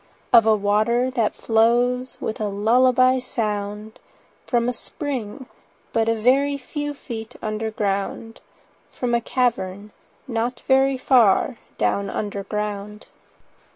—Of a water that flows, With a lullaby sound, 40 From a spring but a very few Feet under ground— From a cavern not very far Down under ground.